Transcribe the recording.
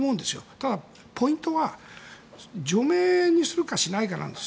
ただ、ポイントは除名にするかしないかなんです。